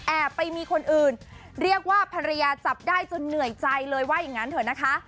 ไปมีคนอื่นเรียกว่าภรรยาจับได้จนเหนื่อยใจเลยว่าอย่างนั้นเถอะนะคะ